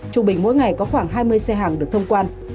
trung bình mỗi ngày có khoảng hai mươi xe hàng được thông quan